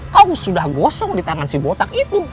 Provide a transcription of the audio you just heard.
kamu sudah gosong di tangan si botak itu